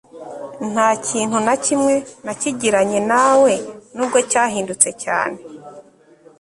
ntakintu nakimwe nakigiranye nawe nubwo cyahindutse cyane